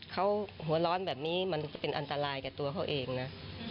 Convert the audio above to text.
เขาหัวร้อนแบบนี้มันจะเป็นอันตรายกับตัวเขาเองนะ